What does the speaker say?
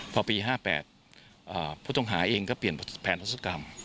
พอปี๕๘ผู้ต้องหาเองก็เปลี่ยนแผนทศกรรม